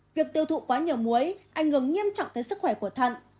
việc tiêu thụ quá nhiều muối ảnh hưởng nghiêm trọng tới sức khỏe của thận